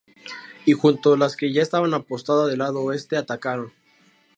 Y junto las que ya estaban apostada del lado Oeste atacaron.